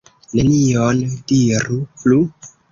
Nenion diru plu.